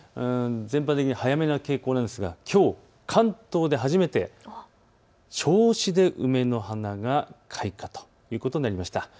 全般的に早めの傾向なんですがきょう関東で初めて銚子で梅の花が開花ということになりました。